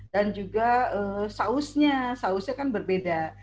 dan juga sausnya sausnya kan berbeda